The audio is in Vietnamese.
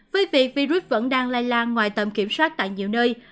với việc virus vẫn đang lây lan ngoài tầm kiểm soát tại nhiều nơi